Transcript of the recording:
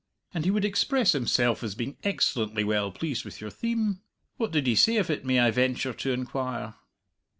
And he would express himself as being excellently well pleased with your theme? What did he say of it, may I venture to inquire?"